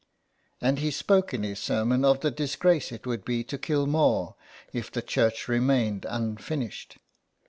And he spoke in his sermon of the disgrace it would be to Kilmore if the church remained unfinished.